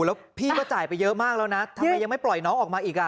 แล้วพี่ก็จ่ายไปเยอะมากแล้วนะทำไมยังไม่ปล่อยน้องออกมาอีก